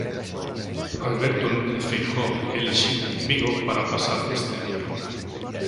Alberto Núñez Feijóo elixiu Vigo para pasar este día.